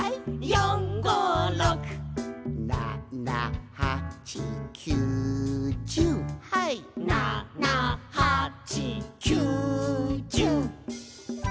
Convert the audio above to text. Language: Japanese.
「４５６」「７８９１０はい」「７８９１０」